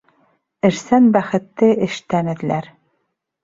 Эшсән бәхетте эштән эҙләр